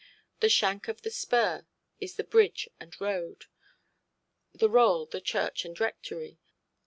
The shank of the spur is the bridge and road, the rowel the church and rectory.